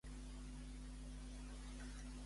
Com s'ha donat compte d'això Montiel?